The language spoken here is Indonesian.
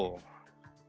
push itu bagaimana